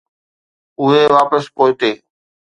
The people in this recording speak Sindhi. اهي واپس پوئتي.